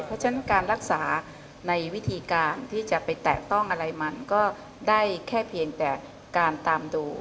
เพราะฉะนั้นการรักษาในวิธีการที่จะไปแตะต้องอะไรมันก็ได้แค่เพียงแต่การตามดู